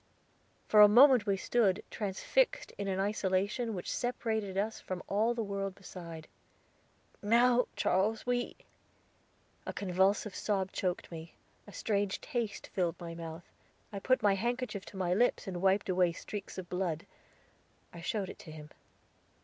For a moment we stood, transfixed in an isolation which separated us from all the world beside. "Now Charles, we" a convulsive sob choked me, a strange taste filled my mouth, I put my handkerchief to my lips and wiped away streaks of blood. I showed it to him.